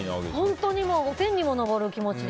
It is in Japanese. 本当に天にも昇る気持ちで。